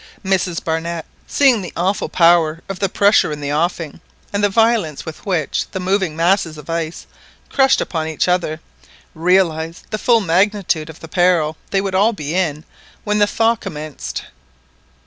Mrs Barnett, seeing the awful power of the pressure in the offing, and the violence with which the moving masses of ice crushed upon each other, realised the full magnitude of the peril they would all be in when the thaw commenced.